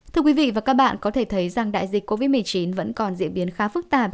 thưa quý vị và các bạn có thể thấy rằng đại dịch covid một mươi chín vẫn còn diễn biến khá phức tạp